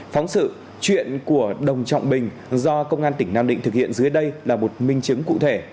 phóng sự chuyện của đồng trọng bình do công an tỉnh nam định thực hiện dưới đây là một minh chứng cụ thể